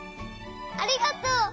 ありがとう！